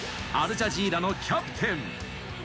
アルジャジーラのキャプテン。